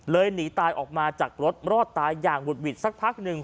หนีตายออกมาจากรถรอดตายอย่างหุดหวิดสักพักหนึ่ง